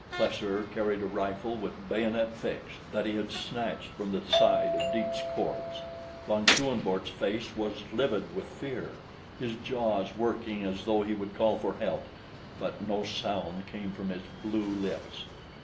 Plesser carried a rifle with bayonet fixed, that he had snatched from the side of Dietz's corpse. Von Schoenvorts' face was livid with fear, his jaws working as though he would call for help; but no sound came from his blue lips.